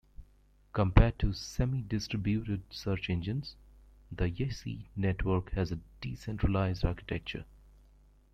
Compared to semi-distributed search engines, the YaCy-network has a decentralised architecture.